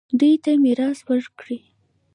دوی ته میراث ورکړئ